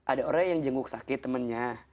ada orang yang jenguk sakit temennya